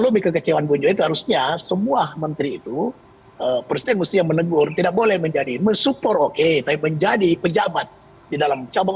percaya musti yang menegur tidak boleh menjadi mesut roket tapi menjadi pejabat di dalam cabang